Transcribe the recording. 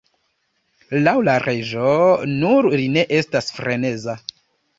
Laŭ la reĝo, nur li ne estas freneza.